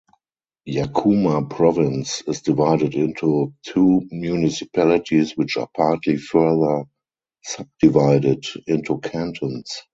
Yacuma Province is divided into two municipalities which are partly further subdivided into cantons.